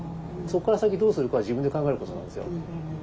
そこから先どうするかは自分で考えることなんですよ。